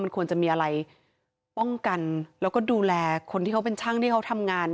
ควรจะมีอะไรป้องกันแล้วก็ดูแลคนที่เขาเป็นช่างที่เขาทำงาน